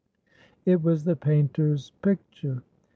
It was the painter's picture.